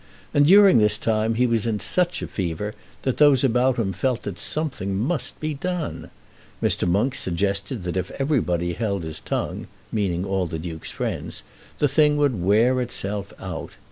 And during this time he was in such a fever that those about him felt that something must be done. Mr. Monk suggested that if everybody held his tongue, meaning all the Duke's friends, the thing would wear itself out.